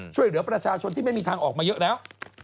ช่วยเหลือประชาชนที่ไม่มีทางออกมาเยอะแล้ว